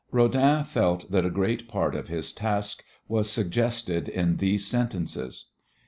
Rodin felt that a great part of his task was suggested in these sentences.